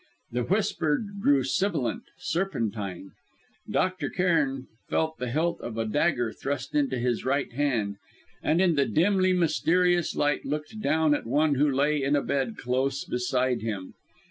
The whisper grew sibilant serpentine. Dr. Cairn felt the hilt of a dagger thrust into his right hand, and in the dimly mysterious light looked down at one who lay in a bed close beside him.